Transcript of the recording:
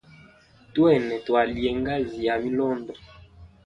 Twene twalie ngazi ya milondo.